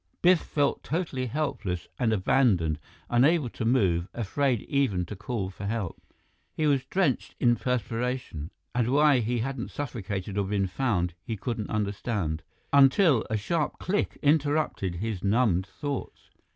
Biff felt totally helpless and abandoned, unable to move, afraid even to call for help. He was drenched in perspiration, and why he hadn't suffocated or been found he couldn't understand, until a sharp click interrupted his numbed thoughts.